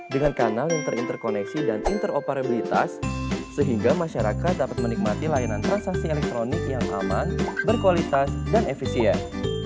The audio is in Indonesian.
dengan kanal yang terinterkoneksi dan interoperabilitas sehingga masyarakat dapat menikmati layanan transaksi elektronik yang aman berkualitas dan efisien